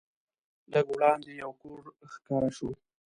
لږ وړاندې یو کور ښکاره شو.